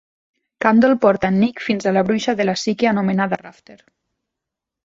Candle porta en Nick fins a la bruixa de la psique anomenada Rafter.